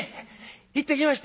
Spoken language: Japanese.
「行ってきました」。